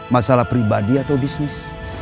masalah pribadi atau bisnis